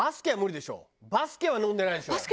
バスケは飲んでないでしょ。